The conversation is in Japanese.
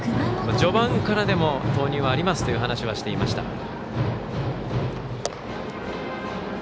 序盤から投入はありますという話はしていました。